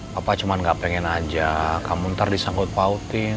papa cuma nggak pengen aja kamu ntar disangkut pautin